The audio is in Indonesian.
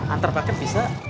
antar paket bisa